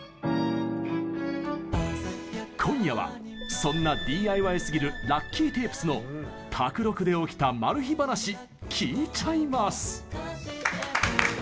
今夜は、そんなＤＩＹすぎるＬＵＣＫＹＴＡＰＥＳの宅録で起きたマル秘バナシ聞いちゃいます！